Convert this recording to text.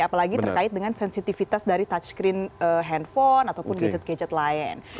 apalagi terkait dengan sensitivitas dari touchscreen handphone ataupun gadget gadget lain